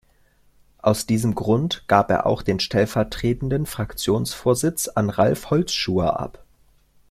Aus diesem Grund gab er auch den stellvertretenden Fraktionsvorsitz an Ralf Holzschuher ab.